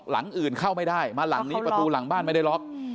หลังอื่นเข้าไม่ได้มาหลังนี้ประตูหลังบ้านไม่ได้ล็อก